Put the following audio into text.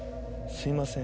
すいません。